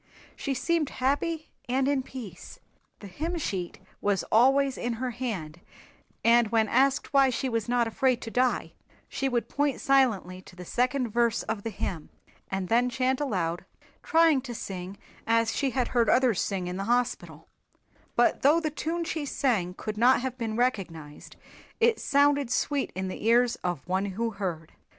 She seemed happy and in peace. The hymn sheet was always in her hand and when asked why she was not afraid to die she would point silently to the second verse of the hymn and then chant aloud, trying to sing as she had heard others sing in the Hospital, but though the tune she sang could not have been recognized it sounded sweet in the ears of One who heard.